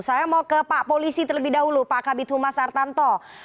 saya mau ke pak polisi terlebih dahulu pak kabit humas artanto